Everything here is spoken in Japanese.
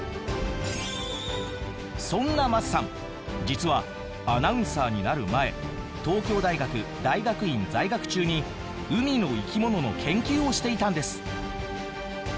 そんな桝さん実はアナウンサーになる前東京大学大学院在学中に海の生き物の研究をしていたんです。